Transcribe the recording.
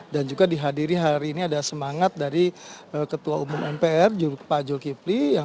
dan juga dihadiri hari ini ada semangat dari ketua umum mpr pak julkipi